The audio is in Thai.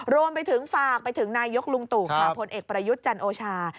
รวมไปถึงฝากไปถึงนายกลุงตู่ค่ะพลเอกประยุทธ์จันโอชา